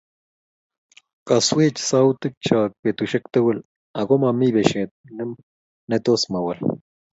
Kaswech sautik chok betushek tukul ako momii beshet netos mawol